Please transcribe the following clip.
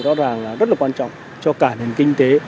rất là quan trọng cho cả nền kinh tế